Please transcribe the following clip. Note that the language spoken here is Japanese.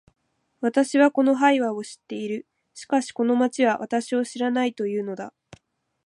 私はこのハイファを知っている。しかしこの町は私を知らないと言うのだ